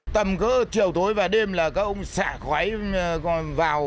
tầm cỡ chiều tối và đêm là các ông xả khói vào